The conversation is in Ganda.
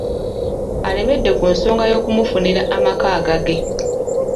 Alemedde ku nsonga y'okumufunira amaka agage.